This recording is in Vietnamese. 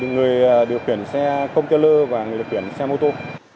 người điều kiển xe công chơ lơ và người điều kiển xe mô tô